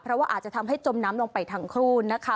เพราะว่าอาจจะทำให้จมน้ำลงไปทั้งคู่นะคะ